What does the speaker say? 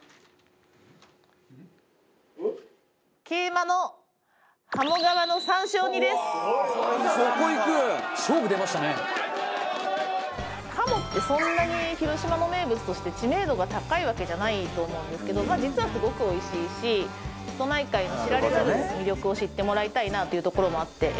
桂馬のはもってそんなに広島の名物として知名度が高いわけじゃないと思うんですけど実はすごくおいしいし瀬戸内海の知られざる魅力を知ってもらいたいなというところもあって選びました。